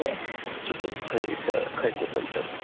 ちょっと会社解雇されちゃって。